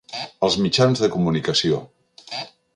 Als mitjans de comunicació.